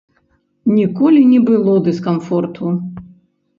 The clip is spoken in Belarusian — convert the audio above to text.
Ніколі не было дыскамфорту.